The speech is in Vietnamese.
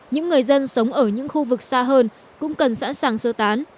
những người dân sống ở những khu vực xa hơn cũng cần sẵn sàng sơ tán